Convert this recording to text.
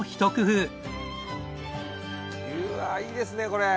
うわあいいですねこれ。